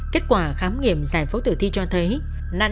kết quả khám nghiệm giải phẫu tử thi cho thấy